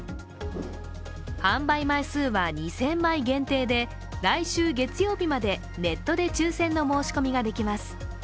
販売枚数は２０００万限定で、来週月曜日までネットで抽選の申し込みができます。